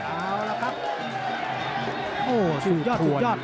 โอ้โหสุดยอดสุดยอด